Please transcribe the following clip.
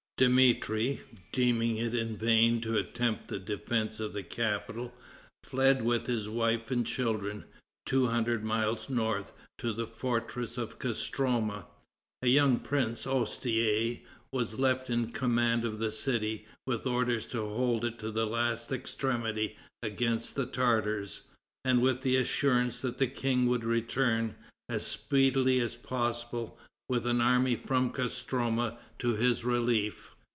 Dmitri, deeming it in vain to attempt the defense of the capital, fled, with his wife and children, two hundred miles north, to the fortress of Kostroma. A young prince, Ostei, was left in command of the city, with orders to hold it to the last extremity against the Tartars, and with the assurance that the king would return, as speedily as possible, with an army from Kostroma to his relief.